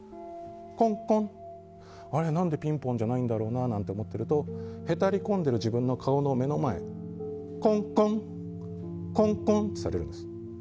コンコン、あれ何でピンポンじゃないんだろうななんて思っているとへたり込んでいる自分の顔の目の前でコンコンコンコンとされるんです。